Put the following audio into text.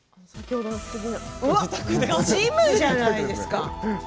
ジムじゃないですか。